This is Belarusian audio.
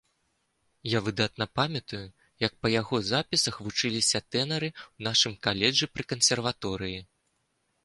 Я выдатна памятаю, як па яго запісах вучыліся тэнары ў нашым каледжы пры кансерваторыі.